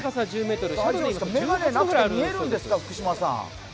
眼鏡なくて見えるんですか、福島さん？